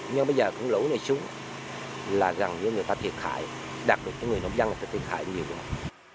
nhưng bây giờ cũng lũ này xuống là rằng người ta thiệt hại đặc biệt người nông dân là người ta thiệt hại nhiều hơn